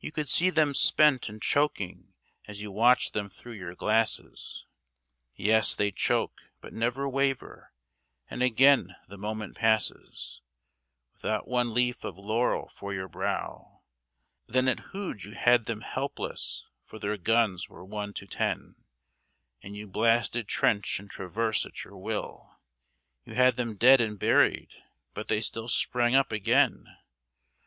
You could see them spent and choking as you watched them thro' your glasses, Yes, they choke, but never waver, and again the moment passes Without one leaf of laurel for your brow. Then at Hooge you had them helpless, for their guns were one to ten, And you blasted trench and traverse at your will, You had them dead and buried, but they still sprang up again.